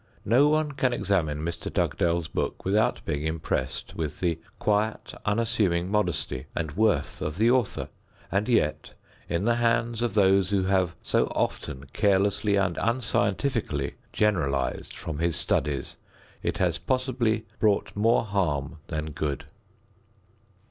No one can examine Mr. Dugdale's book without being impressed with the quiet unassuming modesty and worth of the author, and yet in the hands of those who have so often carelessly and unscientifically generalized from his studies, it has possibly brought more harm than good.